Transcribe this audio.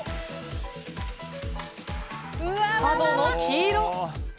角の黄色。